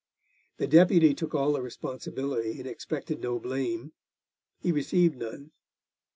The Deputy took all the responsibility and expected no blame; he received none.